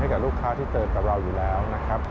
กับลูกค้าที่เจอกับเราอยู่แล้วนะครับ